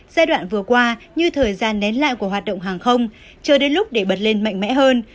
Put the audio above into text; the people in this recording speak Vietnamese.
giai đoạn vừa qua như thời gian nén lại của hoạt động hàng không chờ đến lúc để bật lên mạnh mẽ hơn